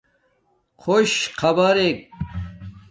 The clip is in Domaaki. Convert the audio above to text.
خݸش خبرݵک